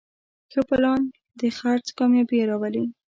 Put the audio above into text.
ښه پلان د خرڅ کامیابي راولي.